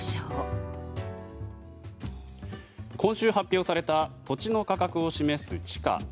今週発表された土地の価格を示す地価。